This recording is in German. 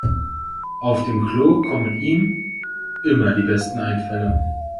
Auf dem Klo kommen ihm immer die besten Einfälle.